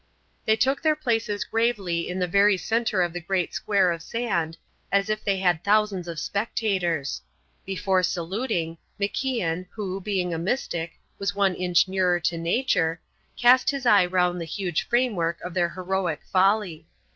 They took their places gravely in the very centre of the great square of sand, as if they had thousands of spectators. Before saluting, MacIan, who, being a mystic, was one inch nearer to Nature, cast his eye round the huge framework of their heroic folly.